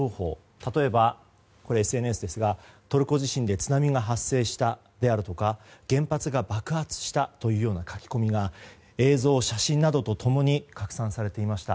例えば、ＳＮＳですがトルコ地震で津波が発生したであるとか原発が爆発したという書き込みが映像、写真などと共に拡散されていました。